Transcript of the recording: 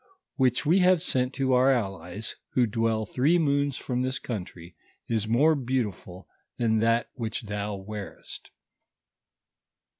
141 which we have sent to our allies, who dwell three moons from this country, is more beautiful than tha* which thou wearest."